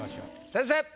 先生！